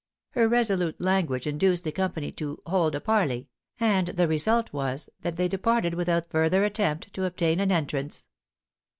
Her resolute language induced the company to "hold a parley;" and the result was, that they departed without further attempt to obtain an entrance.